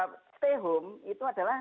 stay home itu adalah